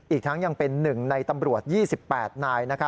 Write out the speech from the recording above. อีกทั้งยังเป็น๑ในตำรวจ๒๘นาย